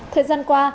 thời gian qua